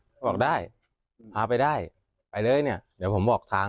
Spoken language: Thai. เขาบอกได้เอาไปได้ไปเลยเนี่ยเดี๋ยวผมบอกทาง